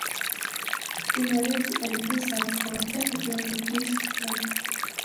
მდინარეებს იყენებენ სარწყავად და ჰიდროენერგიის წყაროდ.